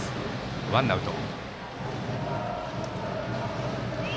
ワンアウト。